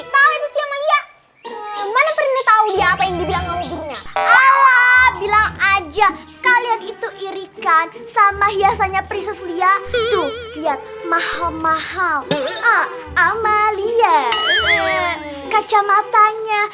tahu dia bilang aja kalian itu irikan sama hiasannya priscilia mahal mahal amalia kacamatanya